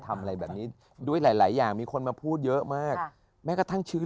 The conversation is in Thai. ทำอะไรแบบนี้ด้วยหลายหลายอย่างมีคนมาพูดเยอะมากแม้กระทั่งชื่อ